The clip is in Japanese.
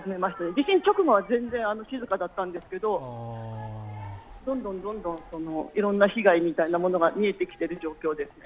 地震直後は全然静かだったんですけど、どんどんいろんな被害みたいなものが見えてきてる状況ですね。